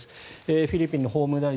フィリピンの法務大臣